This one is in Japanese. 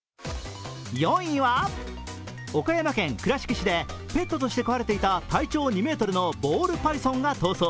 岡山県倉敷市でペットとして飼われていた体長２ｍのボールパイソンが逃走。